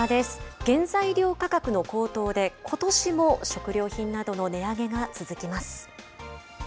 原材料価格の高騰で、ことしも食料品などの値上げが続きます。